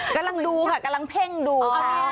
กำลังดูค่ะกำลังเพ่งดู